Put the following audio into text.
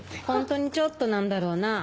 ホントにちょっとなんだろうな。